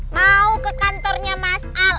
mau ke kantornya mas al